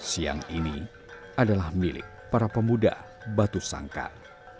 siang ini adalah milik para pemuda batu sangkar